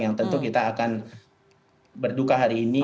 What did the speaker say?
yang tentu kita akan berduka hari ini